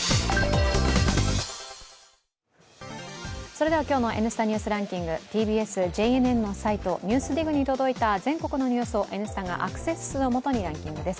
それでは今日の「Ｎスタ・ニュースランキング」ＴＢＳ・ＪＮＮのサイト「ＮＥＷＳＤＩＧ」に届いた全国のニュースを「Ｎスタ」がアクセス数を基にランキングです。